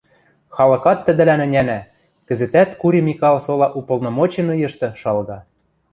Халыкат тӹдӹлӓн ӹнянӓ, кӹзӹтӓт Кури Микал сола уполномоченныйышты шалга.